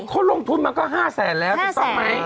เขาลงทุนมาก็๕๐๐๐๐๐บาทแล้วถูกต้องไหม